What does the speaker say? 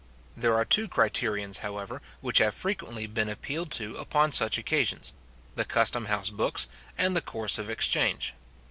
There are two criterions, however, which have frequently been appealed to upon such occasions, the custom house books and the course of exchange.